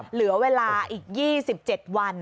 เหลือเวลาอีก๒๗วัน